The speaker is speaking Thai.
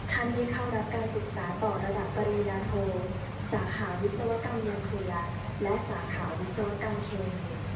ท่านได้เข้ารับการศึกษาต่อระดับปริญญาโทสาขาวิศวกรรมยาเครือยาและสาขาวิศวกรรมเคน